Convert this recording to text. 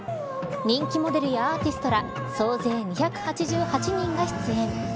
人気モデルやアーティストら総勢２８８人が出演。